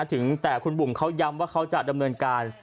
ถึงแต่คุณบุ๋มเขาย้ำว่าเขาจะดำเนินการ